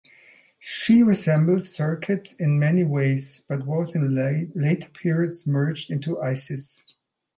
She resembles Serket in many ways, but was in later periods merged into Isis.